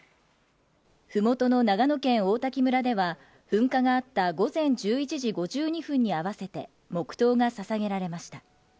ふもとの長野県王滝村では、噴火があった午前１１時５２分に合わせて、黙とうがささげられました。